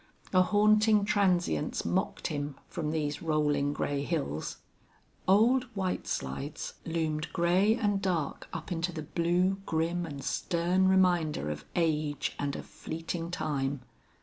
A haunting transience mocked him from these rolling gray hills. Old White Slides loomed gray and dark up into the blue, grim and stern reminder of age and of fleeting time.